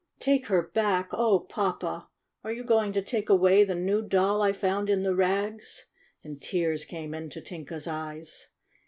"Take her back! Oh, Papa! Are you going to take away the new Doll I found in the rags?" and tears came into Tinka 's eyes.